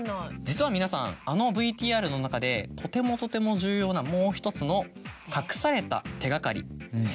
実は皆さんあのＶＴＲの中でとてもとても重要なもう１つの隠された手掛かり。